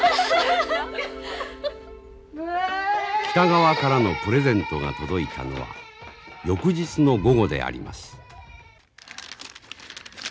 北川からのプレゼントが届いたのは翌日の午後であります。